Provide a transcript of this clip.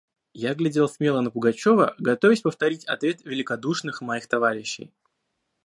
Я глядел смело на Пугачева, готовясь повторить ответ великодушных моих товарищей.